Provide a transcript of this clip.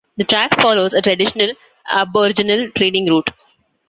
The track follows a traditional Aboriginal trading route.